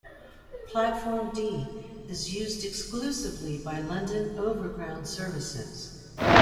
Platform D is used exclusively by London Overground services.